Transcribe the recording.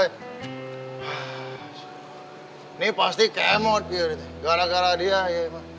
ini pasti kemot biar gara gara dia ya